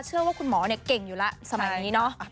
เชื่อว่าคุณหมอเนี่ยเก่งอยู่แล้วสมัยนี้เนอะ